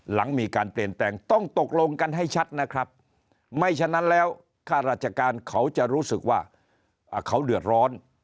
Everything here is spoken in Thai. หลังมีการเปลี่ยนแปลงต้องตกลงกันให้ชัดนะครับไม่ฉะนั้นแล้วค่าราชการเขาจะรู้สึกว่าเขาเดือดร้อน